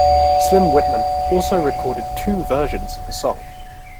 Slim Whitman also recorded two versions of the song.